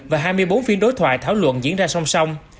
và hai mươi bốn phiên đối thoại thảo luận diễn ra song song